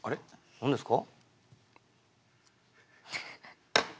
何ですか？